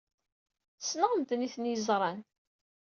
Ssneɣ medden ay tent-yeẓran.